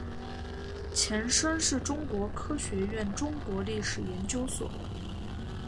前身是中国科学院中国历史研究所。